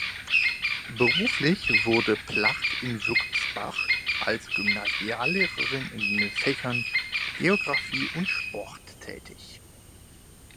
Beruflich wurde Placht in Würzbach als Gymnasiallehrerin in den Fächern Geografie und Sport tätig.